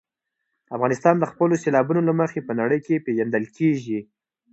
افغانستان د خپلو سیلابونو له مخې په نړۍ کې پېژندل کېږي.